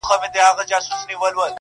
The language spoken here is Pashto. څومره غښتلی څومره بېباکه.!